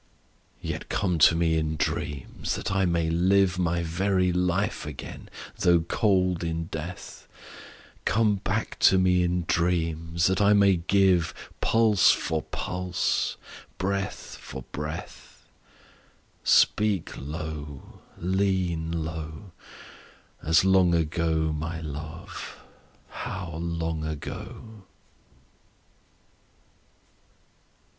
Yet come to me in dreams, that I may live My very life again though cold in death: Come back to me in dreams, that I may give Pulse for pulse, breath for breath: Speak low, lean low, As long ago, my love, how long ago!